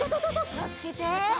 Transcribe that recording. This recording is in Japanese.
きをつけて！